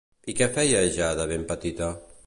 I què feia ja de ben petita?